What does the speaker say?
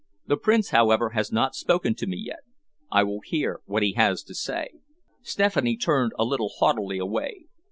The Prince, however, has not spoken to me yet. I will hear what he has to say." Stephanie turned a little haughtily away.